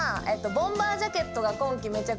ボンバージャケット？